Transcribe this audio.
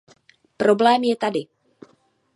Problém je tady.